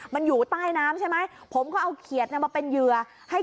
มันอยู่ใต้น้ำใช่ไหมผมก็เอาเขียดมาเป็นเหยื่อให้